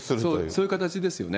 そういう形ですよね。